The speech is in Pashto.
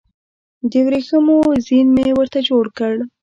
د وریښمو زین مې ورته جوړ کړ